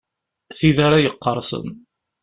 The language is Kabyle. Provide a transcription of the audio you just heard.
Tid ara yeqqerṣen.